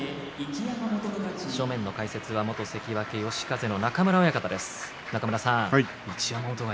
正面の解説は関脇嘉風の中村親方です。